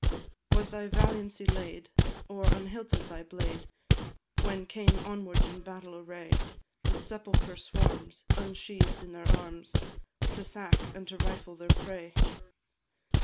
Was thy valiancy laid, or unhilted thy blade, When came onwards in battle array The sepulchre swarms, ensheathed in their arms, To sack and to rifle their prey?